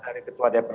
dari ketua dpr